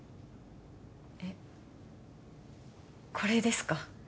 えっこれですか？